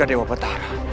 ada harimau tolong